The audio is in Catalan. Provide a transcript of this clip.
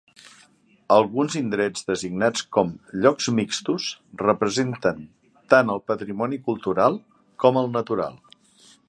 Alguns indrets, designats com "llocs mixtos", representen tant el patrimoni cultural com el natural.